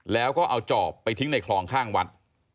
แล้วก็เอาจอบไปทิ้งในคลองข้างวัด